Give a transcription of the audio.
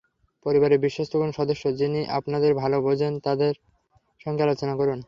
পরিবারের বিশ্বস্ত কোনো সদস্য, যিনি আপনাদের ভালো বোঝেন, তাঁর সঙ্গে আলোচনা করুন।